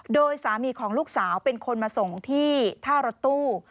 โดยสามีของลูกสาวเป็นคนมาส่งที่ท่ารถตู้